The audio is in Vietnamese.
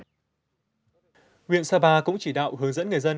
nguyện sapa cũng chỉ đạo hướng dẫn người dân